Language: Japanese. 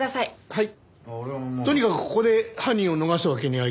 はい。